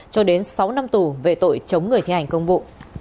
cho đến sáu năm tù về tội chống người thi hành công vụ